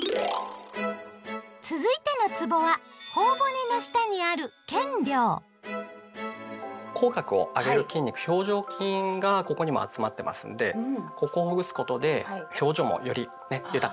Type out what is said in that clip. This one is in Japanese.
続いてのつぼはほお骨の下にある口角を上げる筋肉表情筋がここにも集まってますんでここをほぐすことで表情もよりね豊かに。